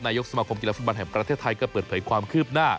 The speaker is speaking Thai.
ยกสมาคมกีฬาฟุตบอลแห่งประเทศไทยก็เปิดเผยความคืบหน้า